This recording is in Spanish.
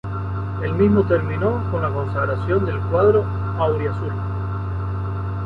El mismo terminó con la consagración del cuadro "auriazul".